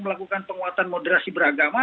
melakukan penguatan moderasi beragama